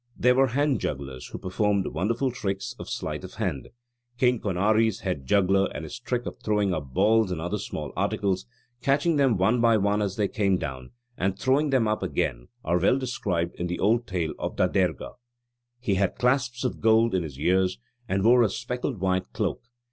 There were hand jugglers, who performed wonderful tricks of slight of hand. King Conari's head juggler and his trick of throwing up balls and other small articles, catching them one by one as they came down, and throwing them up again, are well described in the old tale of Da Derga: "He had clasps of gold in his ears; and wore a speckled white cloak.